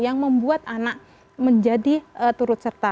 yang membuat anak menjadi turut serta